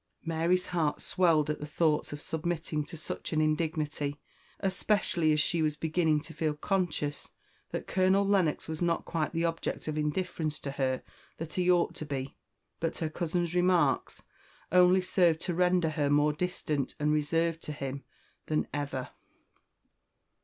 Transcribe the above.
Mary's heart swelled at the thoughts of submitting to such an indignity, especially as she was beginning to feel conscious that Colonel Lennox was not quite the object of indifference to her that he ought to be; but her cousin's remarks only served to render her more distant and reserved to him than ever.